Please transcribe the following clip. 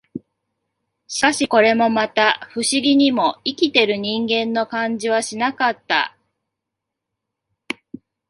しかし、これもまた、不思議にも、生きている人間の感じはしなかった